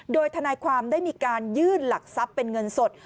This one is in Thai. โดยทนายความได้มีการยื่นหลักทรัพย์เป็นเงินสด